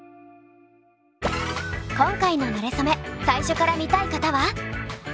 今回の「なれそめ」最初から見たい方は。